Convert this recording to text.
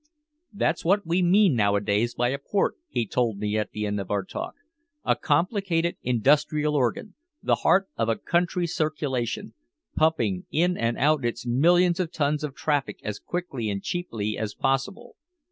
"That's what we mean nowadays by a port," he told me at the end of our talk. "A complicated industrial organ, the heart of a country's circulation, pumping in and out its millions of tons of traffic as quickly and cheaply as possible.